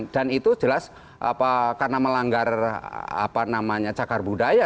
dan itu jelas karena melanggar cakar budaya